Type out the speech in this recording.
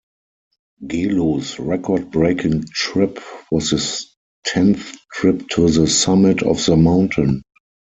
Gelu's record-breaking trip was his tenth trip to the summit of the mountain.